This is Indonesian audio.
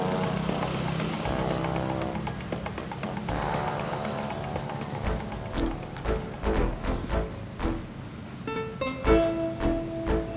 assalamualaikum warahmatullahi wabarakatuh